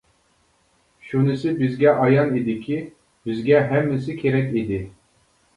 شۇنىسى بىزگە ئايان ئىدىكى بىزگە ھەممىسى كېرەك ئىدى.